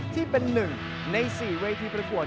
ที่เป็น๑ใน๔เวทีประกวด